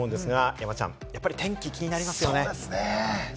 山ちゃん、やっぱり天気が気になりますよね。